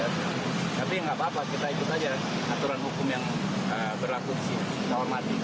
tapi nggak apa apa kita ikut aja aturan hukum yang berlaku di sini